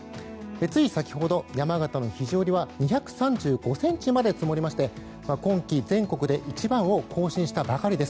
つい先ほど、山形の肘折は２３５ｃｍまで積もりまして今季全国で一番を更新したばかりです。